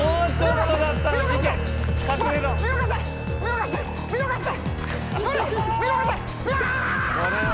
見逃して、見逃して！